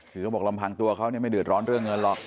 คือเขาบอกลำพังตัวเขาไม่เดือดร้อนเรื่องเงินหรอก